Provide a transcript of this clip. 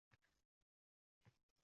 O`tgan yili yomon ishlamadim